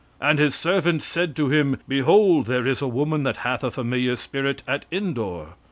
And his servants said to him, Behold, there is a woman that hath a familiar spirit at Endor.